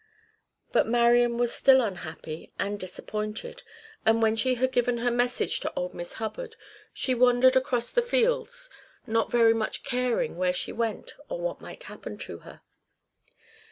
But Marian was still unhappy and disappointed, and when she had given her message to old Miss Hubbard she wandered across the fields, not very much caring where she went or what might happen to her.